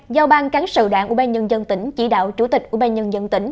hai giao bang cán sự đảng ủy ban nhân dân tỉnh chỉ đạo chủ tịch ủy ban nhân dân tỉnh